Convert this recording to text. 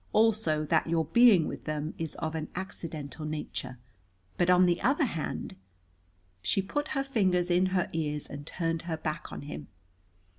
Also that your being with them is of an accidental nature. But, on the other hand " She put her fingers in her ears and turned her back on him.